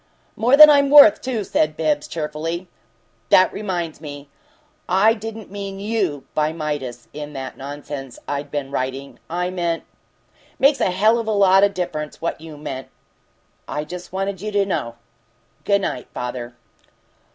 "More than I'm worth, too," said Bibbs, cheerily. "That reminds me, I didn't mean YOU by 'Midas' in that nonsense I'd been writing. I meant " "Makes a hell of a lot o' difference what you meant!" "I just wanted you to know. Good night, father."